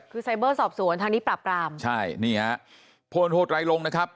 คือไซเบอร์สอบสวนทางนี้ปราบรามใช่นี่ฮะพลโทไรลงนะครับ